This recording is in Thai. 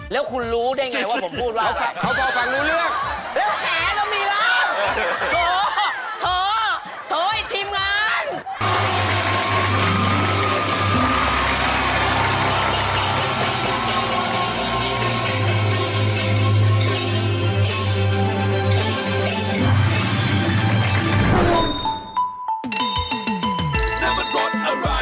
แล้วคุณรู้ได้ไงว่าผมพูดว่า